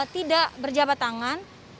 tidak berjabat tangan